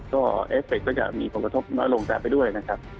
ก็เอฟเฟคก็จะมีประโยชน์น้อยลงไปด้วยนะครับ